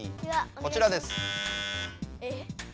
こちらです。